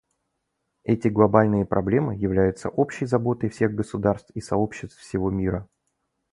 Эти глобальные проблемы являются общей заботой всех государств и сообществ всего мира.